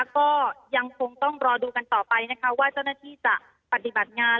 ก็ยังคงต้องรอดูกันต่อไปนะคะว่าเจ้าหน้าที่จะปฏิบัติงาน